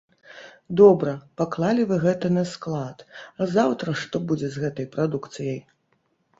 Добра, паклалі вы гэта на склад, а заўтра што будзе з гэтай прадукцыяй?